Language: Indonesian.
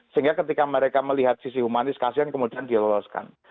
sehingga ketika mereka melihat sisi humanis kasihan kemudian diloloskan